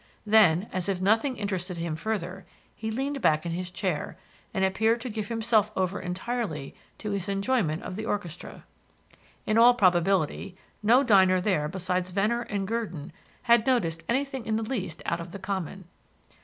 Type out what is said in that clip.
Then, as if nothing interested him further, he leaned back in his chair, and appeared to give himself over entirely to his enjoyment of the orchestra. In all probability no diner there besides Venner and Gurdon had noticed anything in the least out of the common.